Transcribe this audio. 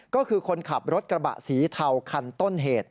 ก็คือคนขับรถกระบะสีเทาคันต้นเหตุ